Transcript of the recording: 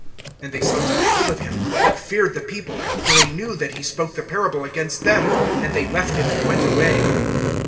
(12)And they sought to lay hold of him, but feared the people; for they knew that he spoke the parable against them; and they left him, and went away.